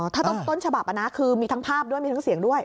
ถ้าต้นฉบับนะคือมีทั้งภาพด้วยมีทั้งเสียงด้วย